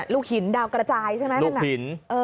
ลูกหินดาวกระจายใช่ไหม